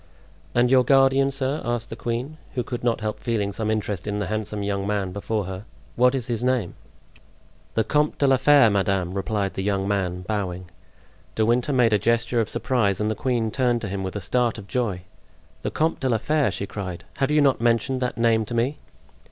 "And your guardian, sir," asked the queen, who could not help feeling some interest in the handsome young man before her, "what is his name?" "The Comte de la Fere, madame," replied the young man, bowing. De Winter made a gesture of surprise and the queen turned to him with a start of joy. "The Comte de la Fere!" she cried. "Have you not mentioned that name to me?"